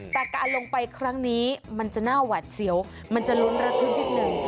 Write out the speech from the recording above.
แต่การลงไปครั้งนี้มันจะน่าหวัดเสียวมันจะลุ้นระทึกนิดนึง